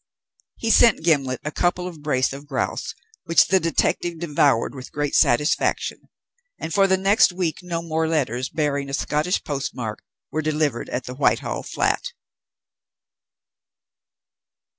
He sent Gimblet a couple of brace of grouse, which the detective devoured with great satisfaction, and for the next week no more letters bearing a Scotch postmark were delivered at the Whitehall flat.